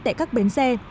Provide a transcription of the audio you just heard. tại các bến xe